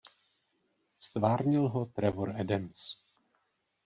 Ztvárnil ho Trevor Adams.